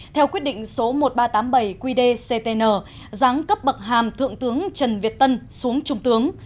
theo quyết định số một nghìn ba trăm tám mươi bảy qd ctn giáng cấp bậc hàm thượng tướng trần việt tân xuống trung tướng